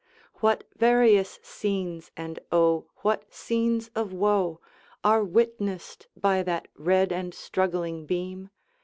What various scenes, and O, what scenes of woe, Are witnessed by that red and struggling beam!